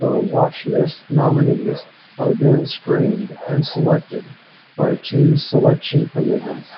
All Watch List nominees are then screened and selected by two Selection Committees.